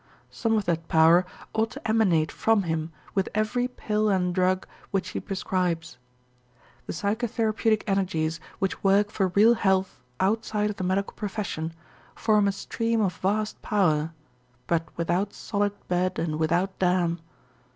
Some of that power ought to emanate from him with every pill and drug which he prescribes. The psychotherapeutic energies which work for real health outside of the medical profession form a stream of vast power, but without solid bed and without dam.